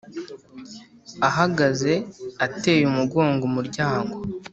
ahagaze ateye umugongo umuryango,